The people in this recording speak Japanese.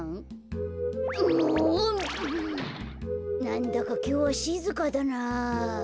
なんだかきょうはしずかだなあ。